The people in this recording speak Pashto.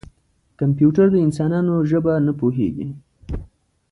کمپیوټر د انسانانو ژبه نه پوهېږي.